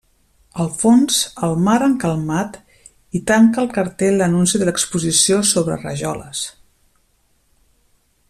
Al fons el mar encalmat, i tanca el cartell l'anunci de l'Exposició sobre rajoles.